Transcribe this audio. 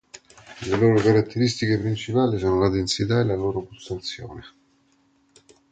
Le loro caratteristiche principali sono la densità e la loro pulsazione.